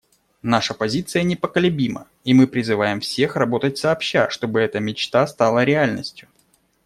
Наша позиция непоколебима, и мы призываем всех работать сообща, чтобы эта мечта стала реальностью.